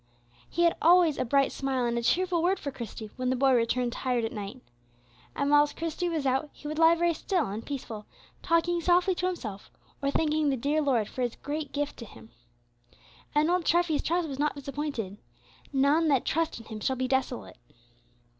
He had always a bright smile and a cheerful word for Christie when the boy returned tired at night. And whilst Christie was out he would lie very still and peaceful, talking softly to himself or thanking the dear Lord for His great gift to him. And old Treffy's trust was not disappointed. "None that trust in Him shall be desolate."